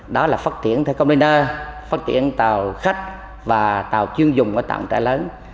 đó là phát triển thẻ combiner phát triển tàu khách và tàu chuyên dùng ở tạng trại lớn